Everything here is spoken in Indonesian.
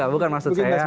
bukan maksud saya